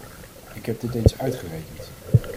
Ik heb dit eens uitgerekend.